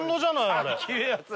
あれ。